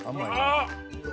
あっ！